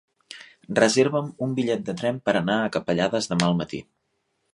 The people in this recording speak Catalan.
Reserva'm un bitllet de tren per anar a Capellades demà al matí.